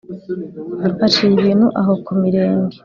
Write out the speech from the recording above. Aciye ibintu aho ku mirenge